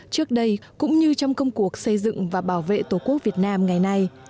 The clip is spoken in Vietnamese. trước đây cũng như trong công cuộc xây dựng và bảo vệ tổ quốc việt nam ngày nay